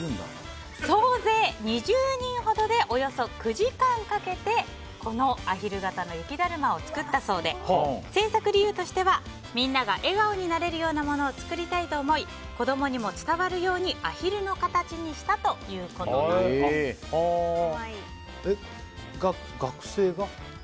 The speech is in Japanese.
総勢２０人ほどでおよそ９時間かけてこのアヒル型の雪だるまを作ったそうでみんなが笑顔になれるようなものを作りたいと思い子供にも伝わるようにアヒルの型にしたということです。